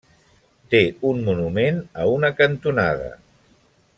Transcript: Té un monument a una cantonada.